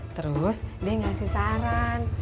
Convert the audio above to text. terus dia ngasih saran